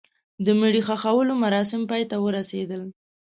د مړي ښخولو مراسم پای ته ورسېدل.